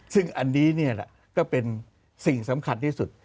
ซึ่งอันนี้นี่แหละก็เป็นสิ่งสำคัญที่สุด